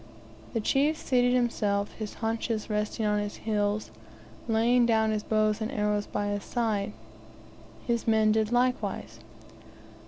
The chief seated himself, his haunches resting on his heels, laying down his bow and arrows by his side; his men did likewise.